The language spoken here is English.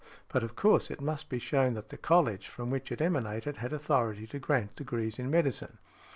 But of course it must be shown that the college from which it emanated had authority to grant degrees in medicine .